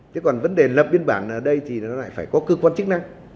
thế còn vấn đề lập biên bản ở đây thì nó lại phải có cơ quan chức năng